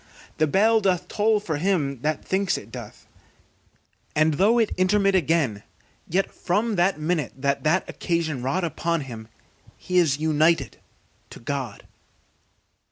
The bell doth toll for him that thinks it doth; and though it intermit again, yet from that minute that this occasion wrought upon him, he is united to God.